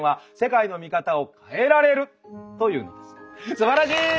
すばらしい！